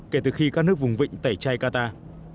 kể từ khi các nước vùng vịnh tẩy chay qatar